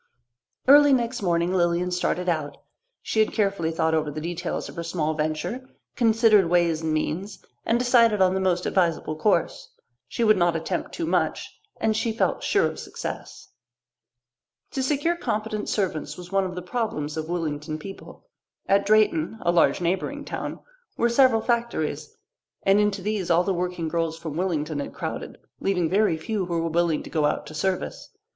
Early next morning Lilian started out. She had carefully thought over the details of her small venture, considered ways and means, and decided on the most advisable course. She would not attempt too much, and she felt sure of success. To secure competent servants was one of the problems of Willington people. At Drayton, a large neighbouring town, were several factories, and into these all the working girls from Willington had crowded, leaving very few who were willing to go out to service.